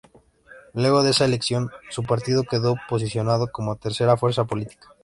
Luego de esa elección su partido quedó posicionado como tercera fuerza política.